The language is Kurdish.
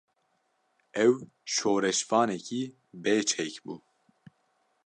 Ew, şoreşvanekî bê çek bû